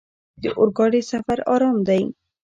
د اورګاډي سفر ارام دی.